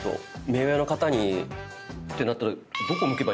目上の方にってなったら。